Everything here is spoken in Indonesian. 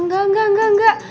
enggak enggak enggak enggak